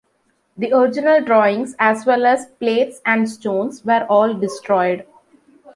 The original drawings, as well as plates and stones, were all destroyed.